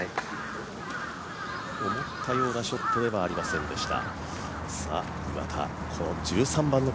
思ったようなショットではありませんでした。